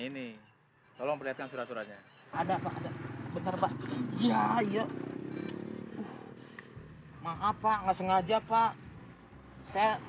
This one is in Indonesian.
ini tolong perlihatkan surat suratnya ada ada betapa ya ya maaf pak nggak sengaja pak saya